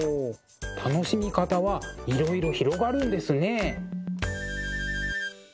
楽しみ方はいろいろ広がるんですね。